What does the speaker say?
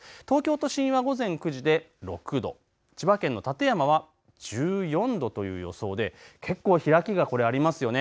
東京都心は午前９時で６度、千葉県の館山は１４度という予想で結構、開きがこれありますよね。